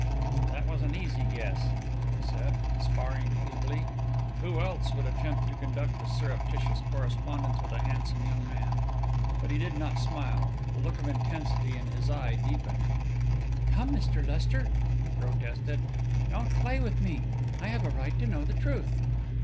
"That was an easy guess," I said, sparring feebly. "Who else would attempt to conduct a surreptitious correspondence with a handsome young man?" But he did not smile; the look of intensity in his eyes deepened. "Come, Mr. Lester," he protested, "don't play with me. I have a right to know the truth."